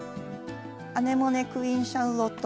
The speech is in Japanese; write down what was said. アネモネ‘クイーンシャーロット